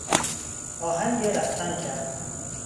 آهنگ رفتن کرد.